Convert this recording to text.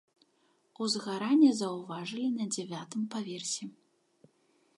Узгаранне заўважылі на дзявятым паверсе.